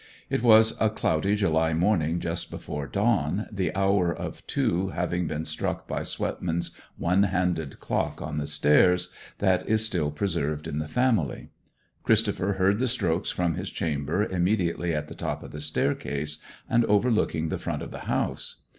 It was a cloudy July morning just before dawn, the hour of two having been struck by Swetman's one handed clock on the stairs, that is still preserved in the family. Christopher heard the strokes from his chamber, immediately at the top of the staircase, and overlooking the front of the house.